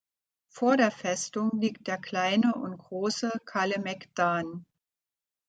Vor der Festung liegt der Kleine und Große Kalemegdan.